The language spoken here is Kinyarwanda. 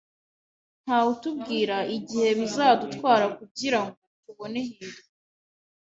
Ntawutubwira igihe bizadutwara kugirango tubone hirwa.